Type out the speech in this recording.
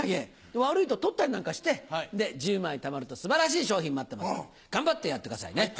悪いと取ったりなんかして１０枚たまると素晴らしい賞品待ってますから頑張ってやってくださいね。